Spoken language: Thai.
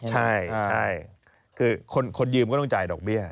ใช่คือคนยืมก็ต้องจ่ายดอกเบี้ย